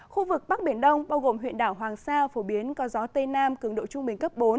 khu vực bắc biển đông bao gồm huyện đảo hoàng sa phổ biến có gió tây nam cường độ trung bình cấp bốn